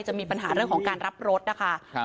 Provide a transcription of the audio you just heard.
จะมีปัญหาเรื่องของการรับรถนะคะ